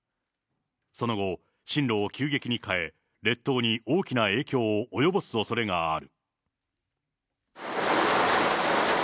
その後、進路を急激に変え、列島に大きな影響を及ぼすおそれがある。